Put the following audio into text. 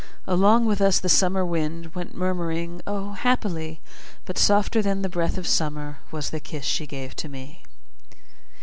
Along with us the summer wind Went murmuring O, happily! But softer than the breath of summer Was the kiss she gave to me.